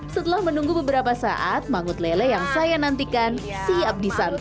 setelah menunggu beberapa saat mangut lele yang saya nantikan siap disantap